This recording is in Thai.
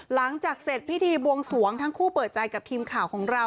หลังจากเสร็จพิธีบวงสวงทั้งคู่เปิดใจกับทีมข่าวของเรา